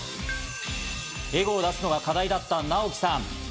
エゴを出すのが課題だったナオキさん。